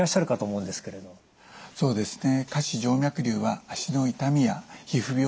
そうですね。